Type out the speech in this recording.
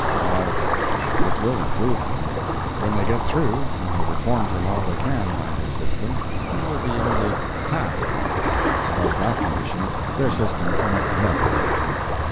Well, it will improve him. When they get through and have reformed him all they can by their system he will be only HALF drunk. Above that condition their system can never lift him.